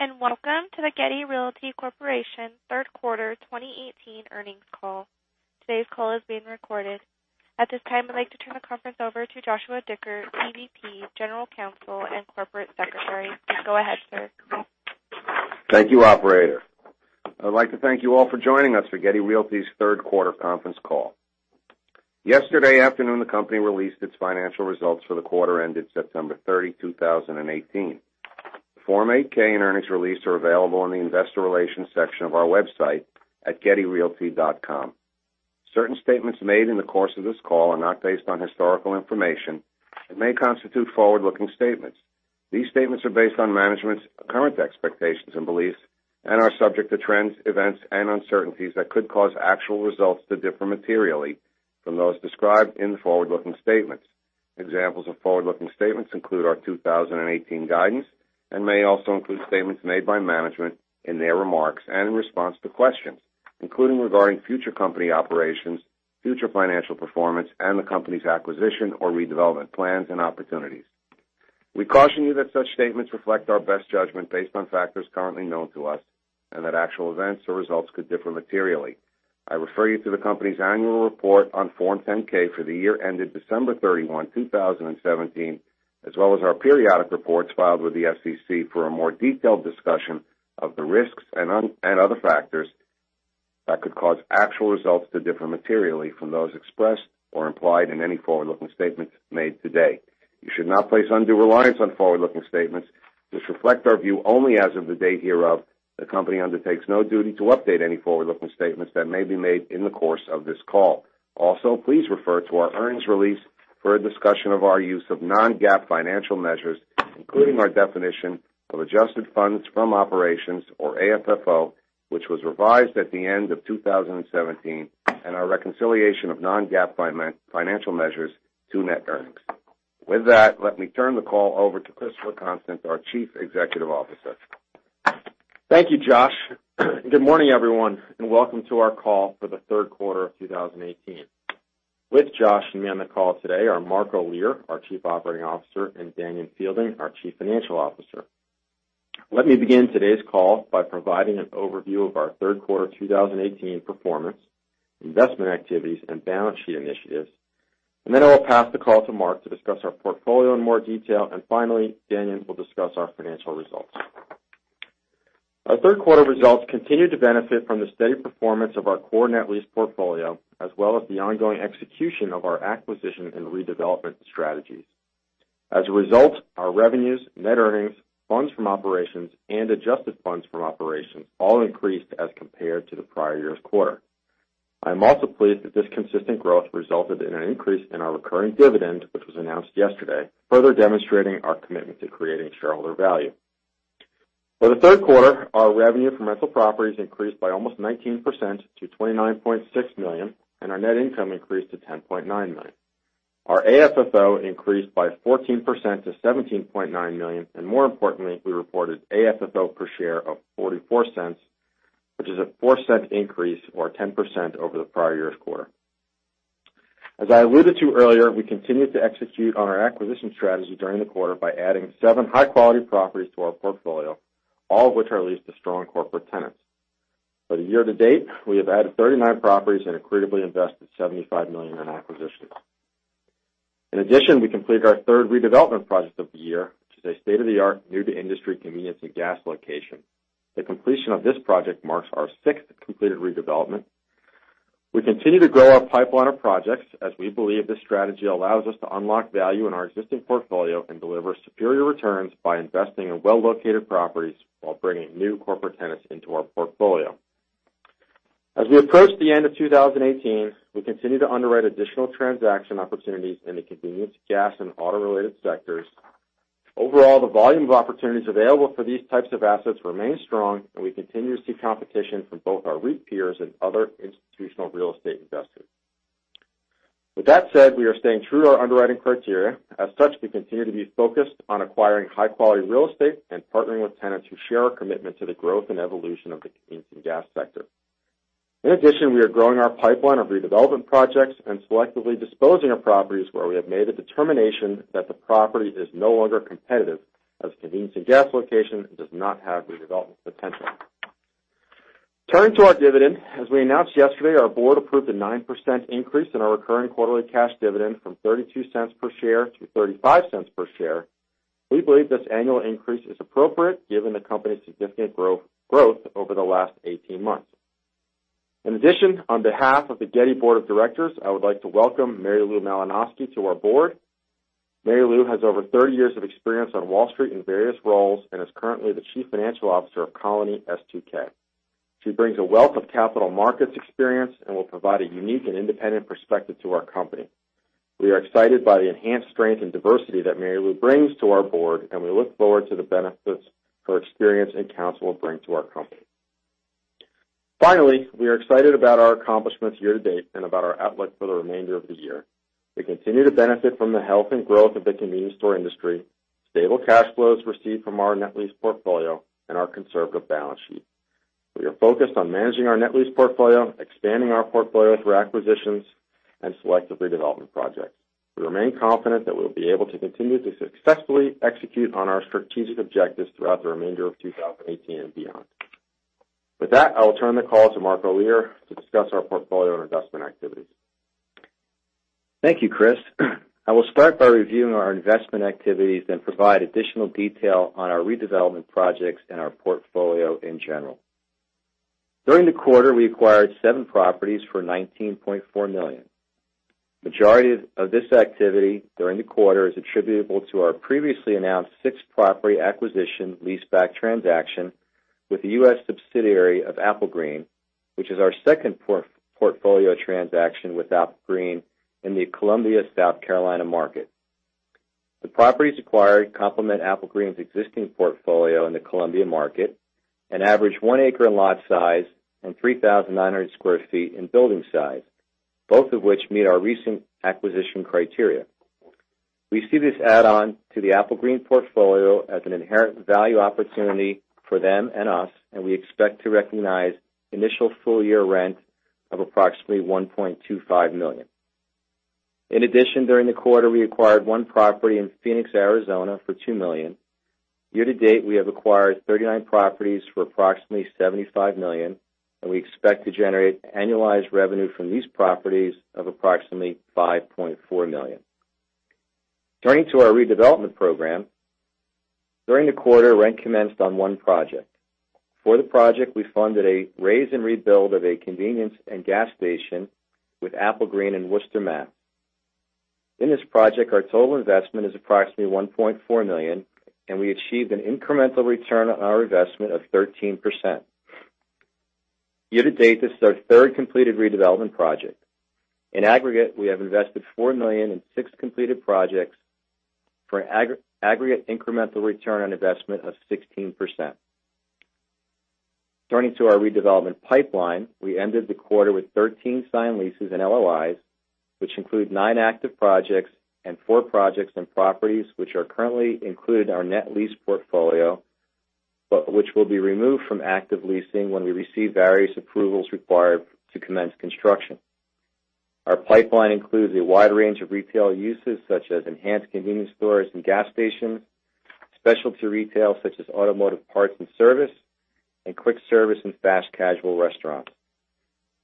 Good day, welcome to the Getty Realty Corp. third quarter 2018 earnings call. Today's call is being recorded. At this time, I'd like to turn the conference over to Joshua Dicker, EVP, general counsel, and corporate secretary. Go ahead, sir. Thank you, operator. I'd like to thank you all for joining us for Getty Realty's third quarter conference call. Yesterday afternoon, the company released its financial results for the quarter ended September 30, 2018. The Form 8-K and earnings release are available in the investor relations section of our website at gettyrealty.com. Certain statements made in the course of this call are not based on historical information and may constitute forward-looking statements. These statements are based on management's current expectations and beliefs and are subject to trends, events, and uncertainties that could cause actual results to differ materially from those described in the forward-looking statements. Examples of forward-looking statements include our 2018 guidance and may also include statements made by management in their remarks and in response to questions, including regarding future company operations, future financial performance, and the company's acquisition or redevelopment plans and opportunities. We caution you that such statements reflect our best judgment based on factors currently known to us, that actual events or results could differ materially. I refer you to the company's annual report on Form 10-K for the year ended December 31, 2017, as well as our periodic reports filed with the SEC for a more detailed discussion of the risks and other factors that could cause actual results to differ materially from those expressed or implied in any forward-looking statements made today. You should not place undue reliance on forward-looking statements, which reflect our view only as of the date hereof. The company undertakes no duty to update any forward-looking statements that may be made in the course of this call. Please refer to our earnings release for a discussion of our use of non-GAAP financial measures, including our definition of adjusted funds from operations, or AFFO, which was revised at the end of 2017, our reconciliation of non-GAAP financial measures to net earnings. With that, let me turn the call over to Christopher Constant, our Chief Executive Officer. Thank you, Josh. Good morning, everyone, and welcome to our call for the third quarter of 2018. With Josh and me on the call today are Mark J. Olear, our Chief Operating Officer, and Danion Fielding, our Chief Financial Officer. Let me begin today's call by providing an overview of our third quarter 2018 performance, investment activities, and balance sheet initiatives. Then I will pass the call to Mark to discuss our portfolio in more detail. Finally, Daniel will discuss our financial results. Our third quarter results continued to benefit from the steady performance of our core net lease portfolio, as well as the ongoing execution of our acquisition and redevelopment strategies. As a result, our revenues, net earnings, funds from operations, and adjusted funds from operations all increased as compared to the prior year's quarter. I'm also pleased that this consistent growth resulted in an increase in our recurring dividend, which was announced yesterday, further demonstrating our commitment to creating shareholder value. For the third quarter, our revenue from rental properties increased by almost 19% to $29.6 million, and our net income increased to $10.9 million. Our AFFO increased by 14% to $17.9 million, and more importantly, we reported AFFO per share of $0.44, which is a $0.04 increase or 10% over the prior year's quarter. As I alluded to earlier, we continued to execute on our acquisition strategy during the quarter by adding seven high-quality properties to our portfolio, all of which are leased to strong corporate tenants. For the year to date, we have added 39 properties and accretively invested $75 million in acquisitions. In addition, we completed our third redevelopment project of the year, which is a state-of-the-art, new-to-industry convenience and gas location. The completion of this project marks our sixth completed redevelopment. We continue to grow our pipeline of projects as we believe this strategy allows us to unlock value in our existing portfolio and deliver superior returns by investing in well-located properties while bringing new corporate tenants into our portfolio. As we approach the end of 2018, we continue to underwrite additional transaction opportunities in the convenience gas and auto-related sectors. Overall, the volume of opportunities available for these types of assets remains strong, and we continue to see competition from both our REIT peers and other institutional real estate investors. With that said, we are staying true to our underwriting criteria. As such, we continue to be focused on acquiring high-quality real estate and partnering with tenants who share our commitment to the growth and evolution of the convenience and gas sector. In addition, we are growing our pipeline of redevelopment projects and selectively disposing of properties where we have made a determination that the property is no longer competitive as a convenience and gas location and does not have redevelopment potential. Turning to our dividend, as we announced yesterday, our board approved a 9% increase in our recurring quarterly cash dividend from $0.32 per share to $0.35 per share. We believe this annual increase is appropriate given the company's significant growth over the last 18 months. In addition, on behalf of the Getty board of directors, I would like to welcome Mary Lou Malanoski to our board. Mary Lou has over 30 years of experience on Wall Street in various roles and is currently the Chief Financial Officer of Colony S2K. She brings a wealth of capital markets experience and will provide a unique and independent perspective to our company. We are excited by the enhanced strength and diversity that Mary Lou brings to our board, and we look forward to the benefits her experience and counsel will bring to our company. Finally, we are excited about our accomplishments year to date and about our outlook for the remainder of the year. We continue to benefit from the health and growth of the convenience store industry, stable cash flows received from our net lease portfolio, and our conservative balance sheet. We are focused on managing our net lease portfolio, expanding our portfolio through acquisitions, and selective redevelopment projects. We remain confident that we'll be able to continue to successfully execute on our strategic objectives throughout the remainder of 2018 and beyond. With that, I will turn the call to Mark Ollier to discuss our portfolio and investment activities. In addition, during the quarter, we acquired one property in Phoenix, Arizona for $2 million. Year to date, we have acquired 39 properties for approximately $75 million, and we expect to generate annualized revenue from these properties of approximately $5.4 million. Turning to our redevelopment program. During the quarter, rent commenced on one project. For the project, we funded a raise and rebuild of a convenience and gas station with Applegreen in Worcester, Mass. In this project, our total investment is approximately $1.4 million, and we achieved an incremental return on our investment of 13%. Year to date, this is our third completed redevelopment project. In aggregate, we have invested $4 million in six completed projects for aggregate incremental return on investment of 16%. Turning to our redevelopment pipeline. In addition, during the Our pipeline includes a wide range of retail uses, such as enhanced convenience stores and gas stations, specialty retail such as automotive parts and service, and quick service and fast casual restaurants.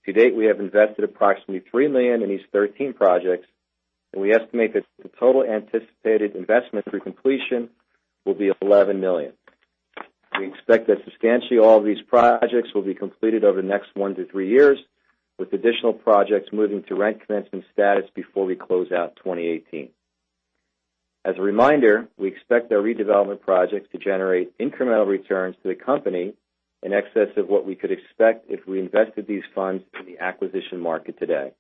To date, we have invested approximately $3 million in these 13 projects, and we estimate that the total anticipated investment through completion will be $11 million. We expect that substantially all these projects will be completed over the next one to three years, with additional projects moving to rent commencement status before we close out 2018. As a reminder, we expect our redevelopment projects to generate incremental returns to the company in excess of what we could expect if we invested these funds in the acquisition market today.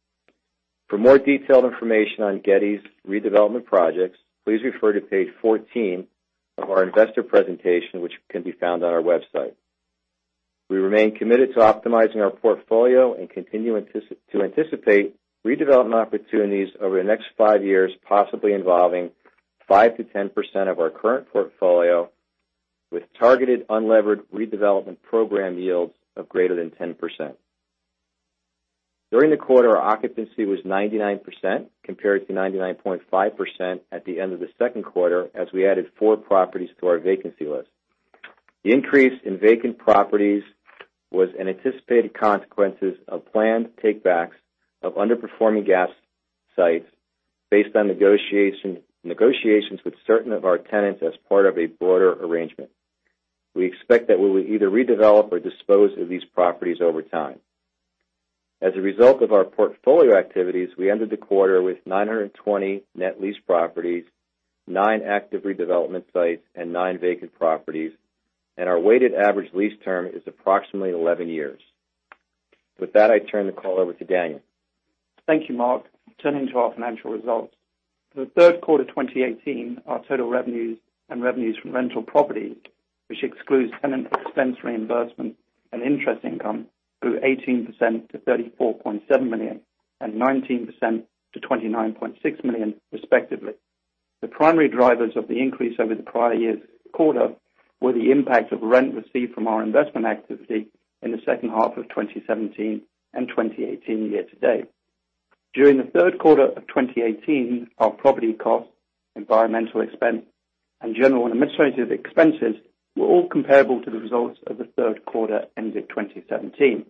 For more detailed information on Getty's redevelopment projects, please refer to page 14 of our investor presentation, which can be found on our website. We remain committed to optimizing our portfolio and continue to anticipate redevelopment opportunities over the next five years, possibly involving 5%-10% of our current portfolio, with targeted unlevered redevelopment program yields of greater than 10%. During the quarter, our occupancy was 99%, compared to 99.5% at the end of the second quarter, as we added four properties to our vacancy list. The increase in vacant properties was an anticipated consequence of planned takebacks of underperforming gas sites based on negotiations with certain of our tenants as part of a broader arrangement. We expect that we will either redevelop or dispose of these properties over time. As a result of our portfolio activities, we ended the quarter with 920 net lease properties, nine active redevelopment sites, and nine vacant properties, and our weighted average lease term is approximately 11 years. With that, I turn the call over to Daniel. Thank you, Mark. Turning to our financial results. For the third quarter 2018, our total revenues and revenues from rental property, which excludes tenant expense reimbursement and interest income, grew 18% to $34.7 million and 19% to $29.6 million, respectively. The primary drivers of the increase over the prior year's quarter were the impact of rent received from our investment activity in the second half of 2017 and 2018 year to date. During the third quarter of 2018, our property costs, environmental expense, and general and administrative expenses were all comparable to the results of the third quarter ended 2017.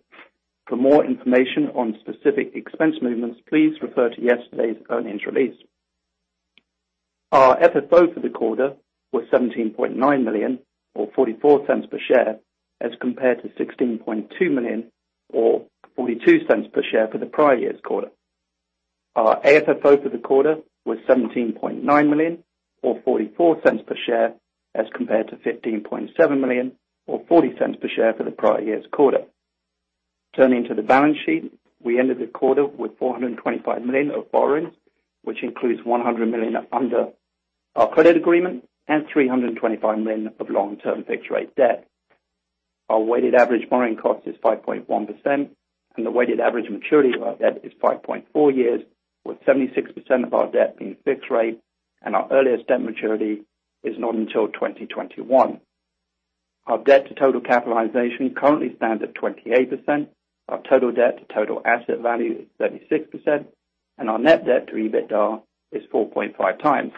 For more information on specific expense movements, please refer to yesterday's earnings release. Our FFO for the quarter was $17.9 million, or $0.44 per share, as compared to $16.2 million or $0.42 per share for the prior year's quarter. Our AFFO for the quarter was $17.9 million or $0.44 per share as compared to $15.7 million or $0.40 per share for the prior year's quarter. Turning to the balance sheet. We ended the quarter with $425 million of borrowings, which includes $100 million under our credit agreement and $325 million of long-term fixed rate debt. Our weighted average borrowing cost is 5.1%, and the weighted average maturity of our debt is 5.4 years, with 76% of our debt being fixed rate Our earliest debt maturity is not until 2021. Our debt to total capitalization currently stands at 28%, our total debt to total asset value is 36%, and our net debt to EBITDA is 4.5 times.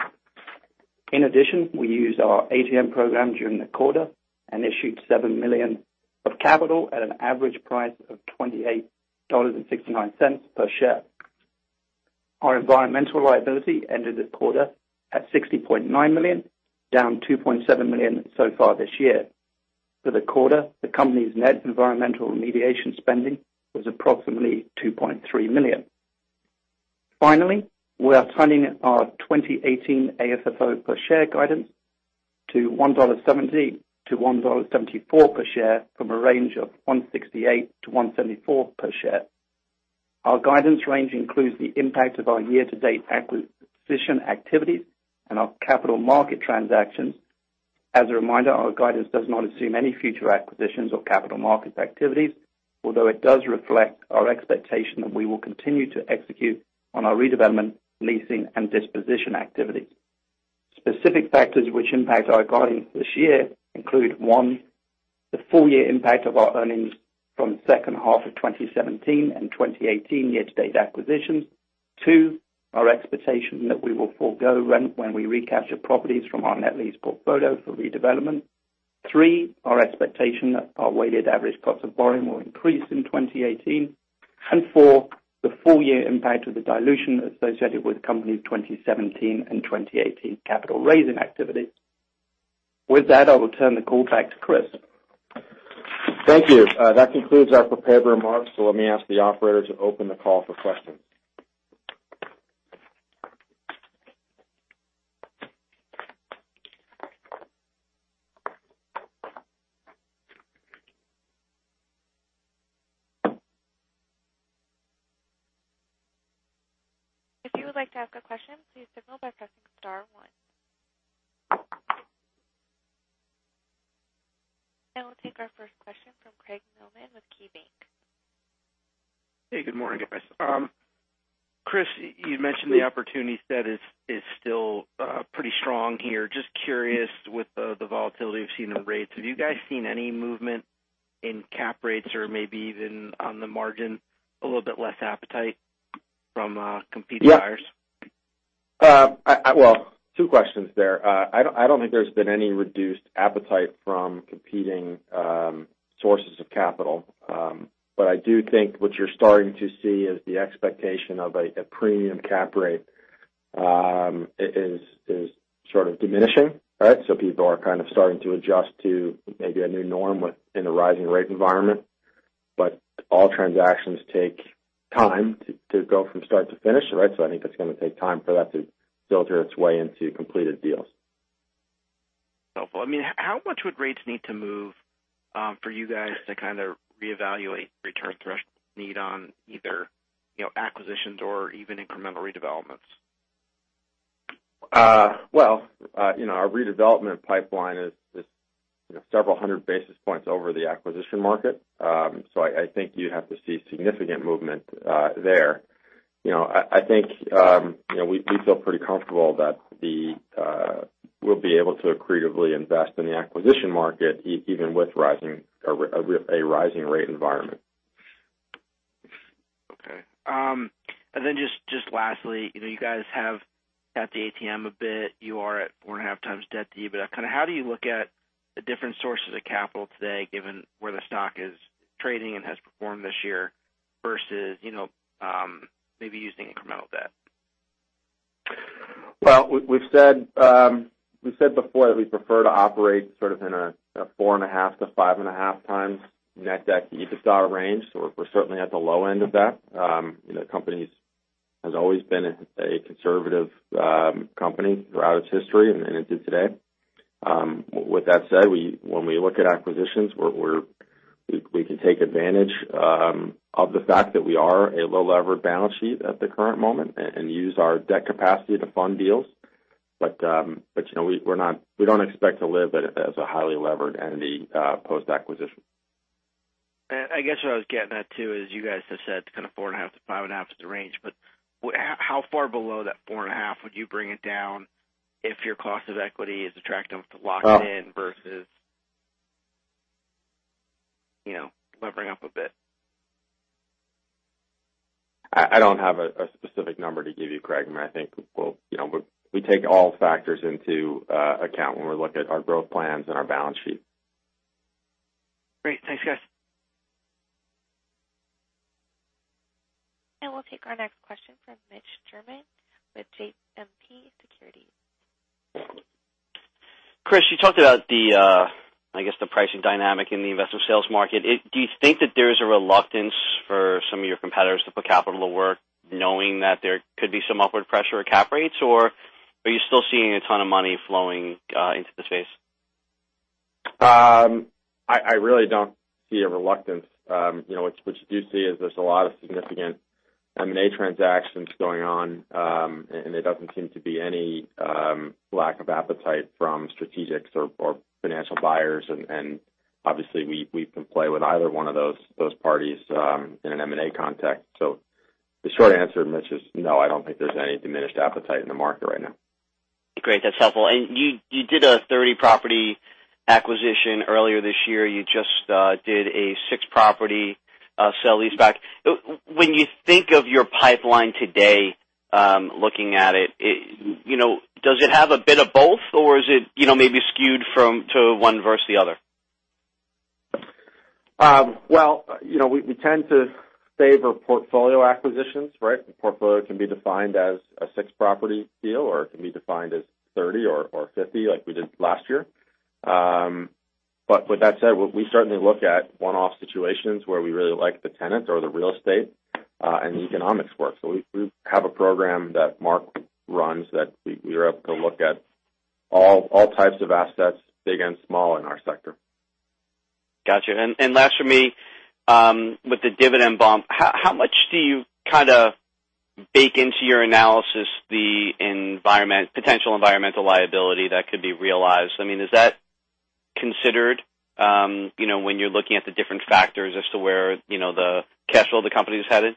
In addition, we used our ATM program during the quarter and issued $7 million of capital at an average price of $28.69 per share. Our environmental liability ended the quarter at $60.9 million, down $2.7 million so far this year. For the quarter, the company's net environmental remediation spending was approximately $2.3 million. Finally, we are turning our 2018 AFFO per share guidance to $1.70-$1.74 per share from a range of $1.68-$1.74 per share. Our guidance range includes the impact of our year-to-date acquisition activities and our capital market transactions. As a reminder, our guidance does not assume any future acquisitions or capital market activities, although it does reflect our expectation that we will continue to execute on our redevelopment, leasing, and disposition activities. Specific factors which impact our guidance this year include, one, the full year impact of our earnings from the second half of 2017 and 2018 year-to-date acquisitions. Two, our expectation that we will forego rent when we recapture properties from our net lease portfolio for redevelopment. Three, our expectation that our weighted average cost of borrowing will increase in 2018. Four, the full year impact of the dilution associated with the company's 2017 and 2018 capital raising activities. With that, I will turn the call back to Chris. Thank you. That concludes our prepared remarks. Let me ask the operator to open the call for questions. If you would like to ask a question, please signal by pressing star one. We'll take our first question from Craig Mailman with KeyBank. Hey, good morning, guys. Chris, you mentioned the opportunity set is still pretty strong here. Just curious, with the volatility we've seen in rates, have you guys seen any movement in cap rates or maybe even on the margin, a little bit less appetite from competing buyers? Well, two questions there. I don't think there's been any reduced appetite from competing sources of capital. I do think what you're starting to see is the expectation of a premium cap rate is sort of diminishing. People are kind of starting to adjust to maybe a new norm within the rising rate environment. All transactions take time to go from start to finish. I think it's going to take time for that to filter its way into completed deals. Helpful. How much would rates need to move for you guys to kind of reevaluate return thresholds need on either acquisitions or even incremental redevelopments? Well, our redevelopment pipeline is several hundred basis points over the acquisition market. I think you'd have to see significant movement there. I think we feel pretty comfortable that we'll be able to accretively invest in the acquisition market, even with a rising rate environment. Okay. Just lastly, you guys have at the ATM a bit, you are at four and a half times debt to EBITDA. How do you look at the different sources of capital today, given where the stock is trading and has performed this year versus maybe using incremental debt? Well, we've said before that we prefer to operate sort of in a four and a half to five and a half times net debt to EBITDA range. We're certainly at the low end of that. The company has always been a conservative company throughout its history and into today. With that said, when we look at acquisitions, we can take advantage of the fact that we are a low-levered balance sheet at the current moment and use our debt capacity to fund deals. We don't expect to live as a highly levered entity post-acquisition. I guess what I was getting at too is you guys have said kind of four and a half to five and a half is the range, but how far below that four and a half would you bring it down if your cost of equity is attractive to lock it in versus levering up a bit? I don't have a specific number to give you, Craig. We take all factors into account when we look at our growth plans and our balance sheet. Great. Thanks, guys. We'll take our next question from Mitch Germain with JMP Securities. Chris, you talked about the pricing dynamic in the investment sales market. Do you think that there is a reluctance for some of your competitors to put capital to work knowing that there could be some upward pressure at cap rates, or are you still seeing a ton of money flowing into the space? I really don't see a reluctance. What you do see is there's a lot of significant M&A transactions going on, there doesn't seem to be any lack of appetite from strategics or financial buyers. Obviously, we can play with either one of those parties in an M&A context. The short answer, Mitch, is no, I don't think there's any diminished appetite in the market right now. Great. That's helpful. You did a 30-property acquisition earlier this year. You just did a six-property sale-leaseback. When you think of your pipeline today, looking at it, does it have a bit of both, or is it maybe skewed to one versus the other? We tend to favor portfolio acquisitions, right? A portfolio can be defined as a six-property deal, or it can be defined as 30 or 50, like we did last year. With that said, we certainly look at one-off situations where we really like the tenants or the real estate, and the economics work. We have a program that Mark runs that we are able to look at all types of assets, big and small, in our sector. Got you. Last from me, with the dividend bump, how much do you kind of bake into your analysis the potential environmental liability that could be realized? I mean, is that considered when you're looking at the different factors as to where the cash flow of the company is headed?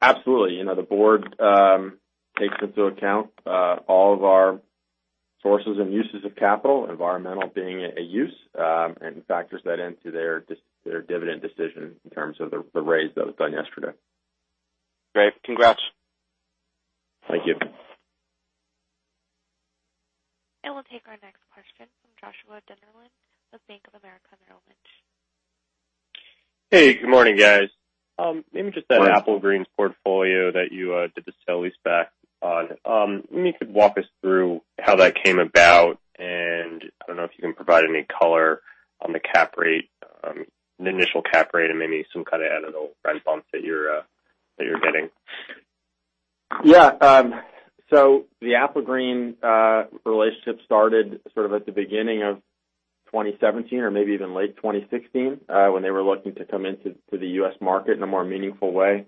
Absolutely. The board takes into account all of our sources and uses of capital, environmental being a use, and factors that into their dividend decision in terms of the raise that was done yesterday. Great. Congrats. Thank you. We'll take our next question from Joshua Dennerlein with Bank of America Merrill Lynch. Hey, good morning, guys. Morning. Maybe just that Applegreen portfolio that you did the sale-leaseback on. Maybe you could walk us through how that came about, and I don't know if you can provide any color on the initial cap rate, and maybe some kind of added rent bump that you're getting. Yeah. The Applegreen relationship started sort of at the beginning of 2017 or maybe even late 2016, when they were looking to come into the U.S. market in a more meaningful way.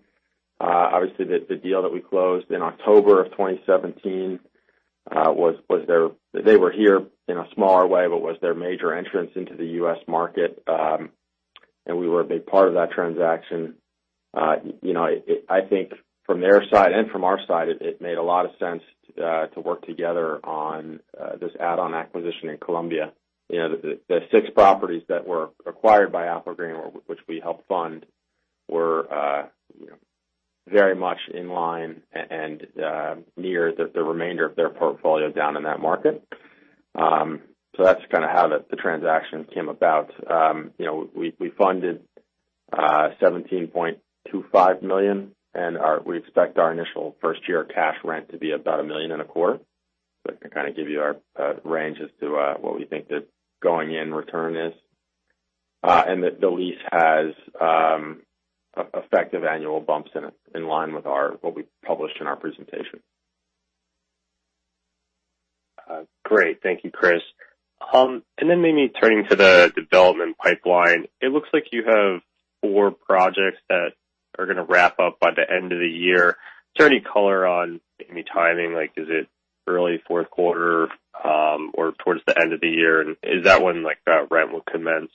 Obviously, the deal that we closed in October of 2017, they were here in a smaller way, but was their major entrance into the U.S. market, and we were a big part of that transaction. I think from their side and from our side, it made a lot of sense to work together on this add-on acquisition in Columbia. The six properties that were acquired by Applegreen, which we helped fund, were very much in line and near the remainder of their portfolio down in that market. That's kind of how the transaction came about. We funded $17.25 million, and we expect our initial first-year cash rent to be about a million and a quarter. That can kind of give you our range as to what we think the going-in return is. The lease has effective annual bumps in it in line with what we published in our presentation. Great. Thank you, Chris. Maybe turning to the development pipeline, it looks like you have four projects that are going to wrap up by the end of the year. Is there any color on any timing, like is it early fourth quarter, or towards the end of the year, and is that when rent will commence?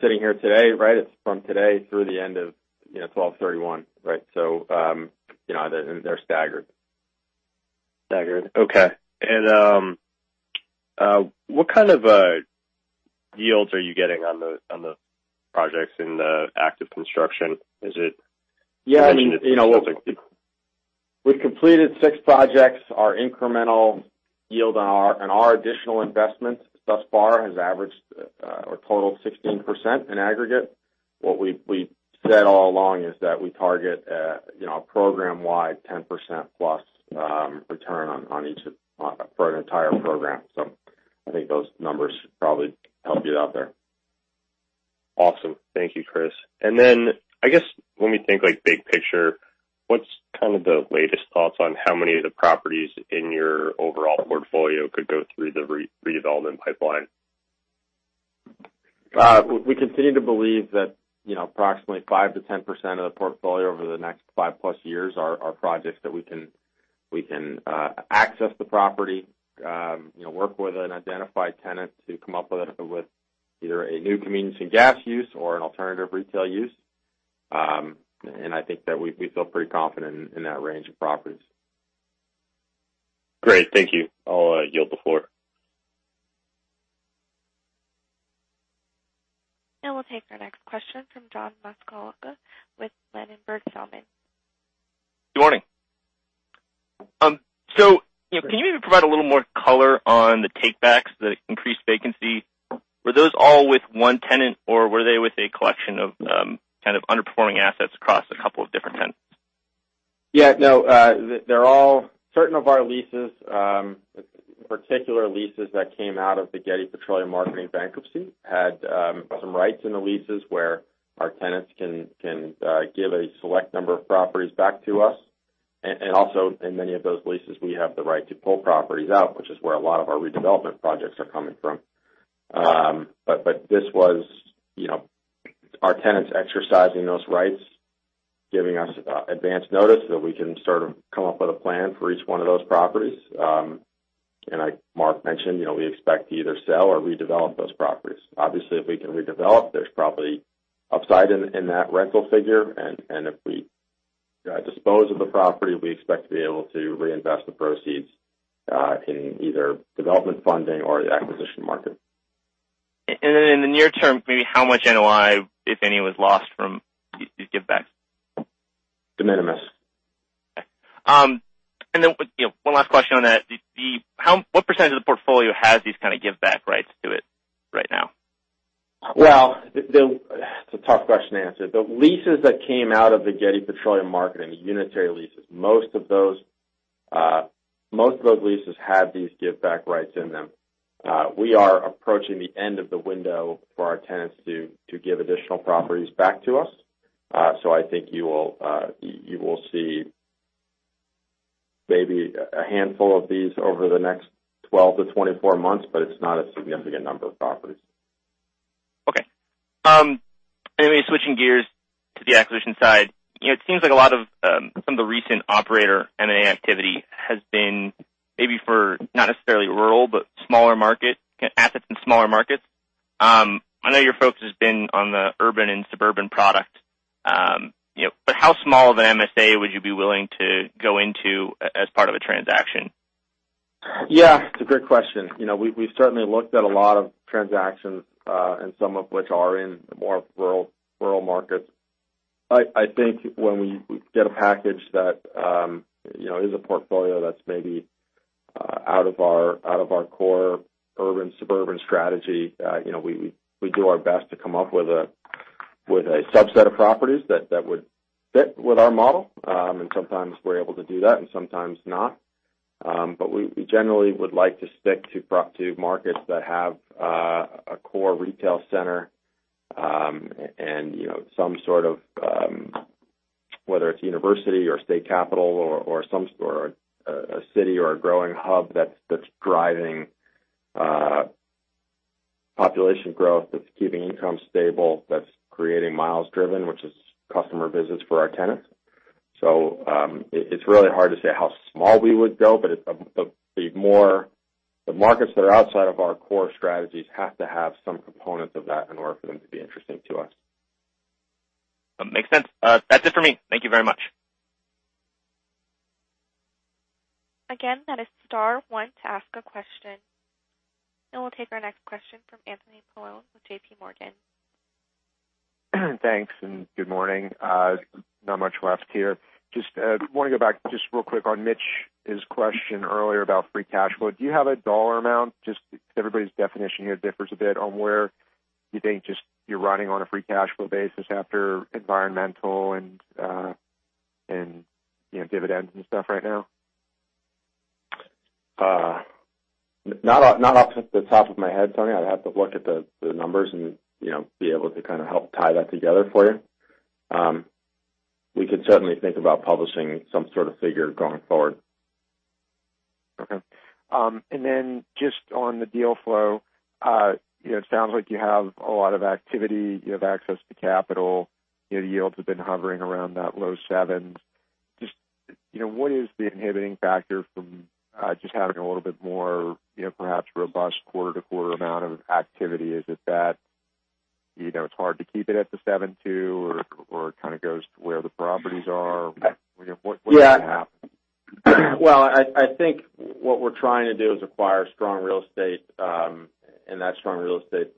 Sitting here today, right, it's from today through the end of 12/31. They're staggered. Staggered, okay. What kind of yields are you getting on the projects in the active construction? Yeah. We've completed six projects. Our incremental yield on our additional investments thus far has averaged or totaled 16% in aggregate. What we've said all along is that we target a program-wide 10%+ return for an entire program. I think those numbers probably help get out there. Awesome. Thank you, Chris. I guess when we think big picture, what's kind of the latest thoughts on how many of the properties in your overall portfolio could go through the redevelopment pipeline? We continue to believe that approximately 5%-10% of the portfolio over the next five-plus years are projects that we can access the property, work with an identified tenant to come up with either a new convenience and gas use or an alternative retail use. I think that we feel pretty confident in that range of properties. Great. Thank you. I'll yield the floor. We'll take our next question from John Massocca with Lennon Berg Salman. Good morning. Can you maybe provide a little more color on the takebacks, the increased vacancy? Were those all with one tenant, or were they with a collection of kind of underperforming assets across a couple of different tenants? Yeah, no. Certain of our leases, particular leases that came out of the Getty Petroleum Marketing bankruptcy, had some rights in the leases where our tenants can give a select number of properties back to us. Also, in many of those leases, we have the right to pull properties out, which is where a lot of our redevelopment projects are coming from. This was our tenants exercising those rights, giving us advance notice so that we can sort of come up with a plan for each one of those properties. Mark mentioned, we expect to either sell or redevelop those properties. Obviously, if we can redevelop, there's probably upside in that rental figure. If we dispose of the property, we expect to be able to reinvest the proceeds in either development funding or the acquisition market. In the near term, maybe how much NOI, if any, was lost from these give backs? De minimis. Okay. One last question on that. What % of the portfolio has these kind of give back rights to it right now? Well, it's a tough question to answer. The leases that came out of the Getty Petroleum Marketing, the unitary leases, most of those leases have these give back rights in them. We are approaching the end of the window for our tenants to give additional properties back to us. I think you will see maybe a handful of these over the next 12-24 months, but it's not a significant number of properties. Okay. Maybe switching gears to the acquisition side. It seems like a lot of some of the recent operator M&A activity has been, maybe for not necessarily rural, but assets in smaller markets. I know your focus has been on the urban and suburban product. How small of an MSA would you be willing to go into as part of a transaction? Yeah, it's a great question. We've certainly looked at a lot of transactions, and some of which are in more rural markets. I think when we get a package that is a portfolio that's maybe out of our core urban/suburban strategy, we do our best to come up with a subset of properties that would fit with our model. Sometimes we're able to do that, and sometimes not. We generally would like to stick to markets that have a core retail center, and some sort of, whether it's university or state capital or a city or a growing hub that's driving population growth, that's keeping income stable, that's creating miles driven, which is customer visits for our tenants. It's really hard to say how small we would go, but the markets that are outside of our core strategies have to have some components of that in order for them to be interesting to us. Makes sense. That's it for me. Thank you very much. Again, that is star one to ask a question. We'll take our next question from Anthony Paolone with JPMorgan. Thanks and good morning. Not much left here. Just want to go back just real quick on Mitch, his question earlier about free cash flow. Do you have a dollar amount? Just everybody's definition here differs a bit on where you think you're running on a free cash flow basis after environmental and dividends and stuff right now. Not off the top of my head, Tony. I'd have to look at the numbers and be able to kind of help tie that together for you. We could certainly think about publishing some sort of figure going forward. Okay. Then just on the deal flow, it sounds like you have a lot of activity, you have access to capital, the yields have been hovering around that low seven. Just what is the inhibiting factor from just having a little bit more perhaps robust quarter-to-quarter amount of activity? Is it that it's hard to keep it at the seven two or it kind of goes to where the properties are? What is happening? Well, I think what we're trying to do is acquire strong real estate, that strong real estate,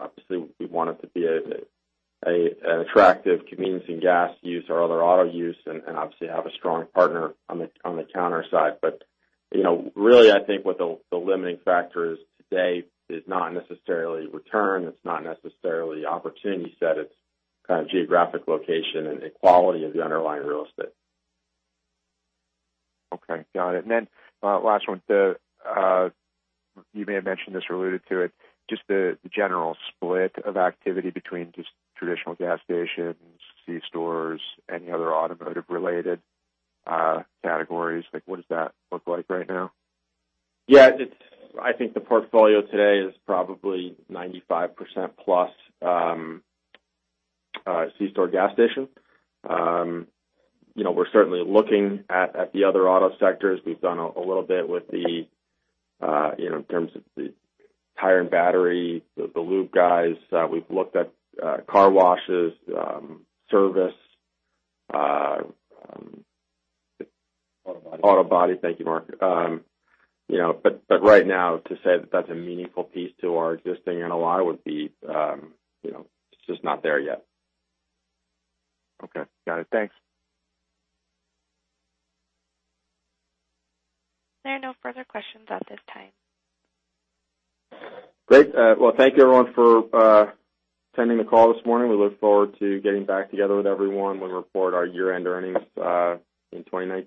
obviously we want it to be an attractive convenience and gas use or other auto use, obviously have a strong partner on the counter side. Really I think what the limiting factor is today is not necessarily return, it's not necessarily opportunity set, it's kind of geographic location and quality of the underlying real estate. Okay. Got it. Then last one, you may have mentioned this or alluded to it, just the general split of activity between just traditional gas stations, C stores, any other automotive-related categories, what does that look like right now? Yeah. I think the portfolio today is probably 95%+ C store gas station. We're certainly looking at the other auto sectors. We've done a little bit in terms of the tire and battery, the lube guys, we've looked at car washes, service- Auto body. Auto body. Thank you, Mark. Right now to say that that's a meaningful piece to our existing NOI It's just not there yet. Okay. Got it. Thanks. There are no further questions at this time. Well, thank you everyone for attending the call this morning. We look forward to getting back together with everyone when we report our year-end earnings in 2019.